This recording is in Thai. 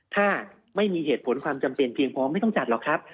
ถ้าไม่มีเหตุผลความจำเป็นเพียงพอไม่ต้องจัดหรอกครับ